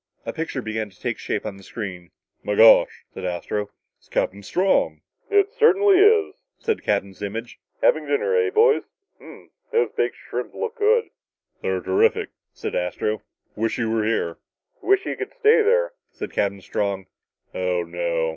A picture began to take shape on the screen. "Migosh," said Astro. "It's Captain Strong." "It certainly is," said the captain's image. "Having dinner, eh, boys? Ummmm those baked shrimps look good." "They're terrific," said Astro. "Wish you were here." "Wish you could stay there," said Captain Strong. "Oh, no!"